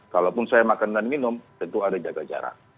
kalaupun saya makan dan minum tentu ada jaga jarak